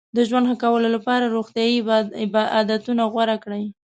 د ژوند ښه کولو لپاره روغتیایي عادتونه غوره کړئ.